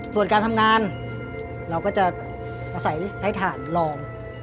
ส่วนการทำงานเราก็จะใช้ถ่านรอง